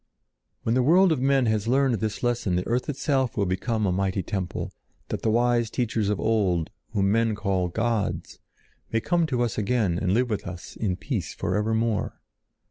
"When the world of men has learned this lesson the earth itself will become a mighty temple, that the wise teachers of old, whom men call gods, may come to us again and live with us in peace for evermore.